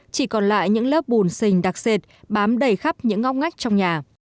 chỉ còn lại những lớp bùn xình đặc xệt bám đầy khắp những ngóc ngách trong nhà